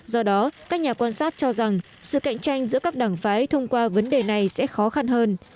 do đó các nhà quan sát cho rằng sự cạnh tranh giữa các đảng phái thông qua vấn đề này sẽ khó khăn hơn